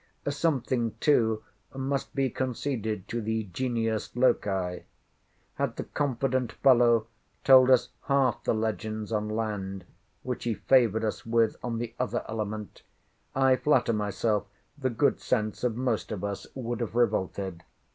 Something too must be conceded to the Genius Loci. Had the confident fellow told us half the legends on land, which he favoured us with on the other element, I flatter myself the good sense of most of us would have revolted.